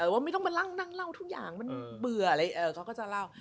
ว่าไม่ต้องมานั่งเล่าทุกอย่างมันเบื่ออะไรเขาก็จะเล่า